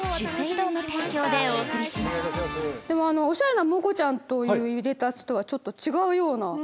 おしゃれなもこちゃんといういでたちとはちょっと違うような。